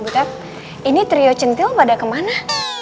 betap ini trio centil pada kemana